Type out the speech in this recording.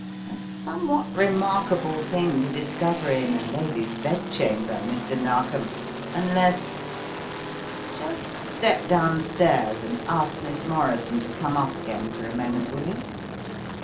"A somewhat remarkable thing to discover in a lady's bed chamber, Mr. Narkom, unless Just step downstairs, and ask Miss Morrison to come up again for a moment, will you?"